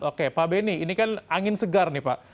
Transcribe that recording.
oke pak benny ini kan angin segar nih pak